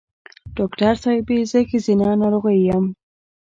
ډاکټر صېبې زه ښځېنه ناروغی یم